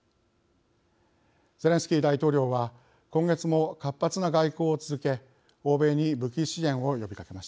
ゼレンスキー大統領は今月も活発な外交を続け欧米に武器支援を呼びかけました。